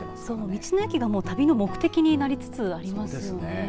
道の駅が旅の目的になりつつありますよね。